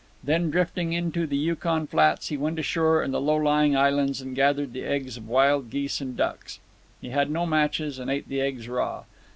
Then, drifting into the Yukon Flats, he went ashore on the low lying islands and gathered the eggs of wild geese and ducks. He had no matches, and ate the eggs raw.